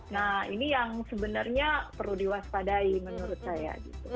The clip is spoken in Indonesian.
nah ini yang sebenarnya perlu diwaspadai menurut saya gitu